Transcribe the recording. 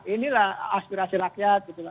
inilah aspirasi rakyat